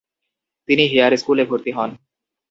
তিনি হেয়ার স্কুলে ভর্তি হন।